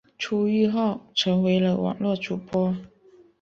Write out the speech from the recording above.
出狱后成为了网络主播。